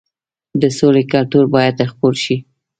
د سولې کلتور باید خپور شي.